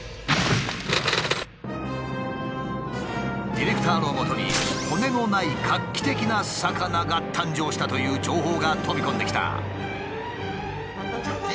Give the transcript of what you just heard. ディレクターのもとに骨のない画期的な魚が誕生したという情報が飛び込んできた。